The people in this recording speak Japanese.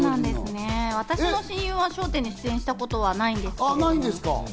私の親友は『笑点』に出演したことはないんですが。